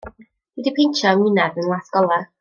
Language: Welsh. Dw i 'di peintio 'y ngwinadd yn las gola'.